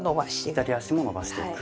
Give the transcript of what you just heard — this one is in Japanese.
左足も伸ばしていく。